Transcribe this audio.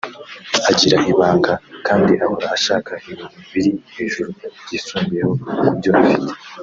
agira ibanga kandi ahora ashaka ibintu biri hejuru byisumbuyeho ku byo afite